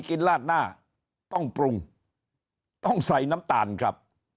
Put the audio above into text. ลาดหน้าต้องปรุงต้องใส่น้ำตาลครับ